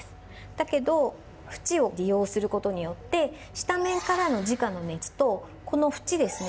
だけど縁を利用することによって下面からの、じかの熱とこの縁ですね